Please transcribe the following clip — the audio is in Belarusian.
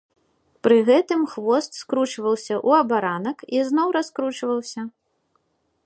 Пры гэтым хвост скручваўся ў абаранак і зноў раскручваўся.